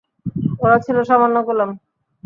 ওরা ছিল সামান্য গোলাম।